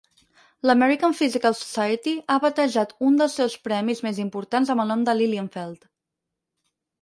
L'American Physical Society ha batejat un dels seus premis més importants amb el nom de Lilienfeld.